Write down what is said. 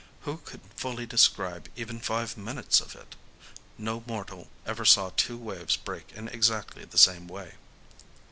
Who could fully describe even five minutes of it? No mortal ever saw two waves break in exactly the same way.